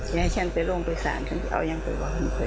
อยากให้ฉันไปโรงโบสถ์ศาลฉันจะเอายังไปวางครึ่งค่อย